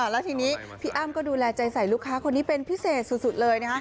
แล้วทีนี้พี่อ้ำก็ดูแลใจใส่ลูกค้าคนนี้เป็นพิเศษสุดเลย